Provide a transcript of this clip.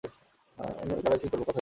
অন্যদিন কারাওকিং করব, কথা দিচ্ছি।